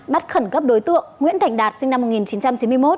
bắt khẩn cấp đối tượng nguyễn thành đạt sinh năm một nghìn chín trăm chín mươi một